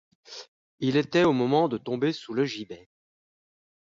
Il était au moment de tomber sous le gibet.